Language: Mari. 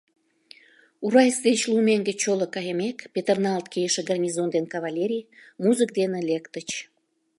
Уральск деч лу меҥге чоло кайымек, петырналт кийыше гарнизон ден кавалерий музык дене лектыч...